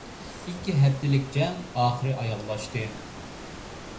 ئىككى ھەپتىلىك جەڭ ئاخىرى ئاياغلاشتى.